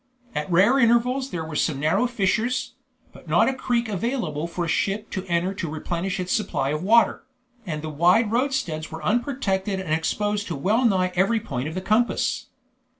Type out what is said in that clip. At rare intervals there were some narrow fissures, but not a creek available for a ship to enter to replenish its supply of water; and the wide roadsteads were unprotected and exposed to well nigh every point of the compass.